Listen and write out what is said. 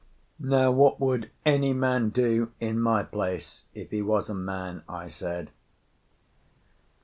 Now, what would any man do in my place, if he was a man?" I said.